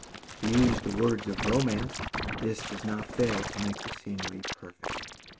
To use the words of romance, this does not fail to make the scenery perfect.